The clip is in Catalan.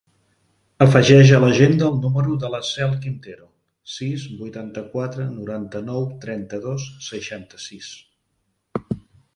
Afegeix a l'agenda el número de la Cel Quintero: sis, vuitanta-quatre, noranta-nou, trenta-dos, seixanta-sis.